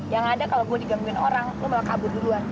yang ada kalau gue digangguin orang lo gak kabur duluan